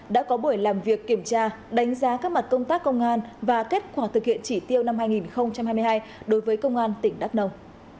đã có buổi làm việc kiểm tra đánh giá các mặt công tác công an và kết quả thực hiện chỉ tiêu năm hai nghìn hai mươi hai đối với công an tỉnh đắk nông